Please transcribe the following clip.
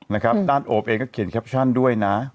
นะครับด้านโอบเองก็เขียนแคปชั่นด้วยนะ